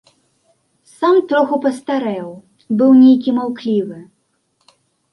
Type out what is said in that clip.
Сам троху пастарэў, быў нейкі маўклівы.